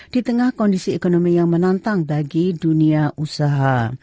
di tengah kondisi ekonomi yang menantang bagi dunia usaha